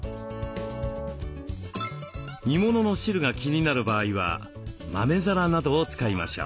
煮物の汁が気になる場合は豆皿などを使いましょう。